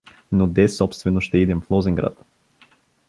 Но де собствено ще идем в Лозенград?